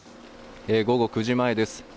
午後９時前です。